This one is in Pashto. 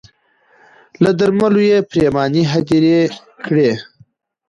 له درملو یې پرېماني هدیرې کړې